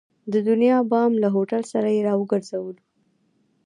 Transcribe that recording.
د دنیا بام له هوټل سره یې را وګرځولو.